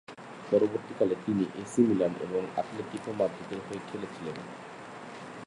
পরবর্তীকালে, তিনি AC Milan এবং আতলেতিকো মাদ্রিদের হয়ে খেলেছিলেন।